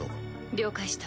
了解した。